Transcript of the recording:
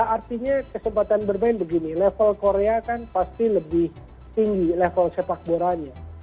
artinya kesempatan bermain begini level korea kan pasti lebih tinggi level sepak bolanya